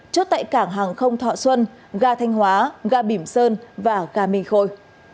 chốt tại cảng hàng không thọ xuân gà thanh hóa gà bỉm sơn và gà minh khôi